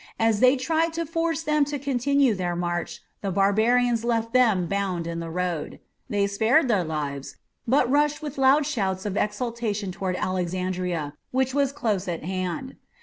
As they tried to force them to continue their march, the barbarians left them bound in the road. They spared their lives, but rushed with loud shouts of exultation toward Alexandria, which was close at hand.